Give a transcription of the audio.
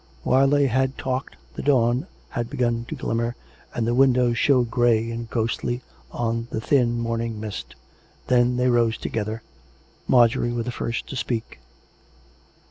(While they had talked the dawn had begun to glimmer, and tlie windows showed grey and ghostly on the thin morning mist.) Then they rose together. Mar jorie was the first to speak.